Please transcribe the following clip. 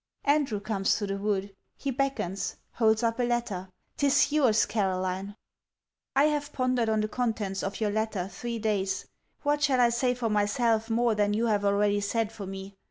Andrew comes through the wood he beckons holds up a letter. 'Tis your's, Caroline. I have pondered on the contents of your letter three days. What shall I say for myself more than you have already said for me?